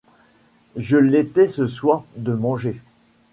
Je l’étais ce soir de manger.